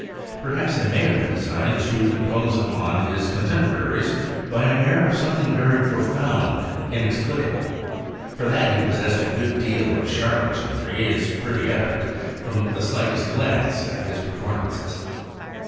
Perhaps they may have been designed to im pose upon his contemporaries by an air of sometbinf very profound and inexplicable. For that he possessec a good deal of charlatanry is pretty evident, from thi slightest glance at his performances.